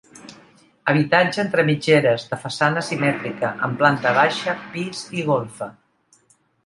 Habitatge entre mitgeres, de façana simètrica, amb planta baixa, pis i golfa.